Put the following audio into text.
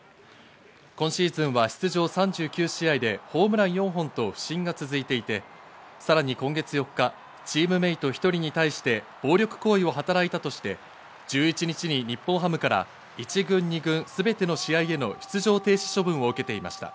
今シーズンは出場３９試合でホームラン４本と不振が続いていて、さらに今月４日、チームメート１人に対して暴力行為をはたらいたとして、１１日に日本ハムから１軍・２軍すべての試合への出場停止処分を受けていました。